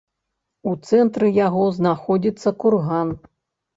У цэнтры яго знаходзіцца курган.